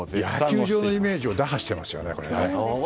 野球場のイメージを打破していますよね。